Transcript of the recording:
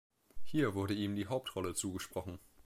Hier wurde ihm die Hauptrolle zugesprochen.